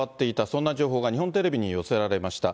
そんな情報が、日本テレビに寄せられました。